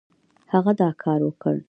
هغه دا کار وکړ.